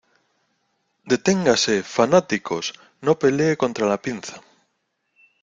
¡ Deténganse, fanáticos! No pelee contra la pinza.